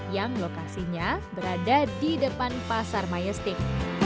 yang lokasinya berada di depan pasar majestik